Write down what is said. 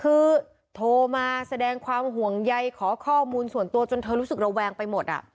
คือโทรมาแสดงความห่วงใยขอข้อมูลส่วนตัวจนเธอรู้สึกระแวงไปหมด